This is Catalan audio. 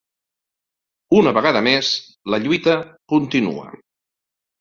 Una vegada més, la lluita continua!